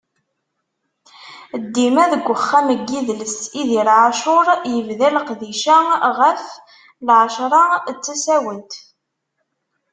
ddima deg Uxxam n yidles Idir Ɛacur, yebda leqdic-a, ɣef Lɛecṛa d tasawent.